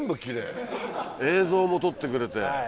映像も撮ってくれて。